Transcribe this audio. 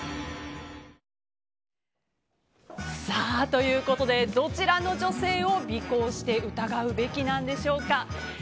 ５、４、３、２。ということで、どちらの女性を尾行して疑うべきなんでしょうか。